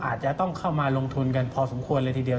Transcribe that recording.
อาจจะต้องเข้ามาลงทุนกันพอสมควรเลยทีเดียว